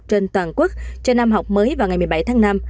trên toàn quốc cho năm học mới vào ngày một mươi bảy tháng năm